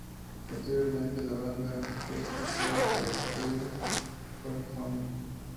Posteriormente, la banda fue fichada por el sello Parlophone.